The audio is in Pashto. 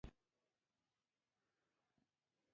او په بله خوا کې ماشومان، سپين ږيري، د څه نه لرو.